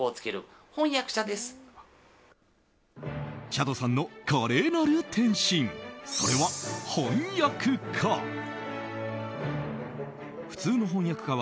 チャドさんの華麗なる転身それは、翻訳家。